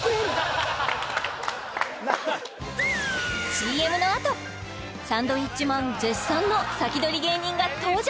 ＣＭのあとサンドウィッチマン絶賛のサキドリ芸人が登場！